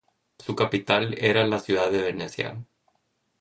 Su capital era la ciudad de Venecia.